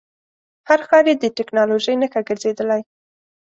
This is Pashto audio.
هر ښار یې د ټکنالوژۍ نښه ګرځېدلی.